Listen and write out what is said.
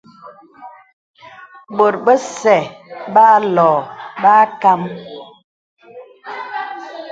Bòt bəsɛ̄ bə âlɔ bə âkam.